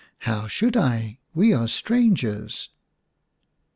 " How should I ? We are strangers."